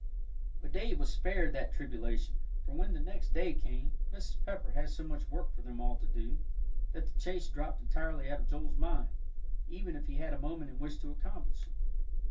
But Davie was spared that tribulation, for when the next day came, Mrs. Pepper had so much work for them all to do, that the chase dropped entirely out of Joel's mind, even if he had a moment in which to accomplish it.